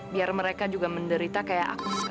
biar mereka juga menderita kayak aku sekarang